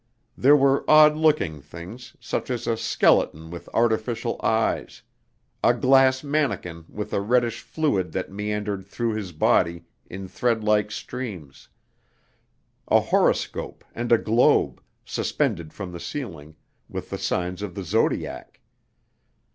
There were odd looking things, such as a skeleton with artificial eyes; a glass manikin with a reddish fluid that meandered through his body in thread like streams; a horoscope and a globe, suspended from the ceiling, with the signs of the Zodiac.